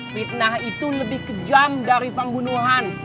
fitnah itu lebih kejam dari pembunuhan